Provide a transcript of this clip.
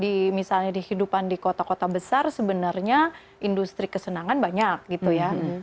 di misalnya di kehidupan di kota kota besar sebenarnya industri kesenangan banyak gitu ya